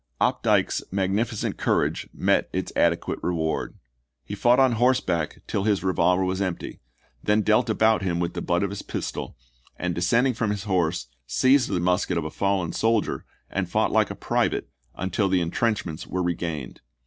Opdycke's magnificent courage met its adequate reward. He fought on horseback 20 ABEAHAM LINCOLN chap. i. till his revolver was empty, then dealt about him with the butt of his pistol, and descending from his horse seized the musket of a fallen soldier, and fought like a private until the intrenchments were regained.